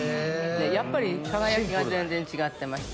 やっぱり輝きが全然違ってました。